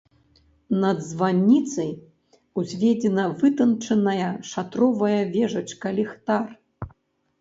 Над званіцай узведзена вытанчаная шатровая вежачка-ліхтар.